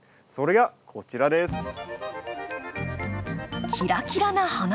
それがこちらです。